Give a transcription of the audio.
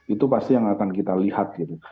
itu pasti yang akan kita lihat gitu